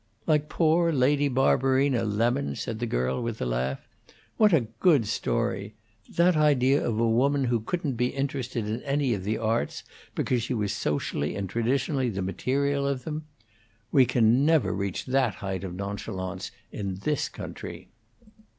"Like poor Lady Barberina Lemon?" said the girl, with a laugh. "What a good story! That idea of a woman who couldn't be interested in any of the arts because she was socially and traditionally the material of them! We can, never reach that height of nonchalance in this country."